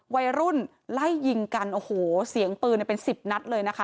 วัยรุ่นไล่ยิงกันโอ้โหเสียงปืนเป็นสิบนัดเลยนะคะ